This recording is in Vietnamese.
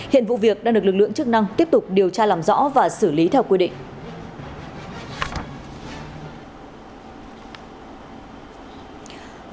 hiện vụ việc đang được lực lượng chức năng tiếp tục điều tra làm rõ và xử lý theo quy định